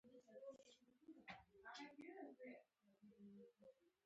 ته خو اوس پوهېږې چې ته څنګه ما ته ګران وې.